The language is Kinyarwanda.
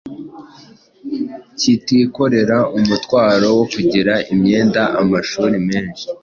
kitikorera umutwaro wo kugira imyenda amashuri menshi